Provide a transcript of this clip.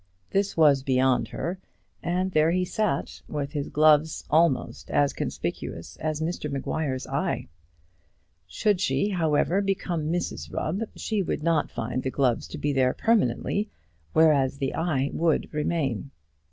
This was beyond her, and there he sat, with his gloves almost as conspicuous as Mr Maguire's eye. Should she, however, ever become Mrs Rubb, she would not find the gloves to be there permanently; whereas the eye would remain.